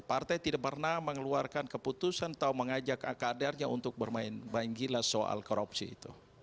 partai tidak pernah mengeluarkan keputusan atau mengajak kadernya untuk bermain main gila soal korupsi itu